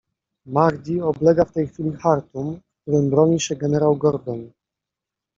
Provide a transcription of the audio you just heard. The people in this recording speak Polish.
- Mahdi oblega w tej chwili Chartum, w którym broni się generał Gordon.